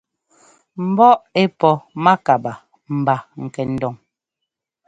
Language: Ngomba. Mbɔ́ ɛ́ pɔ mákabaa mba kɛndon.